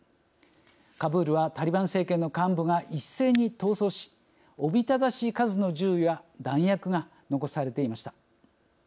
カブールはタリバン政権の幹部が一斉に逃走しおびただしい数の銃や弾薬が残されていました。